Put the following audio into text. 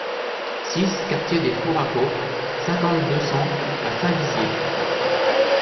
six quartier des Fours à Coke, cinquante-deux, cent à Saint-Dizier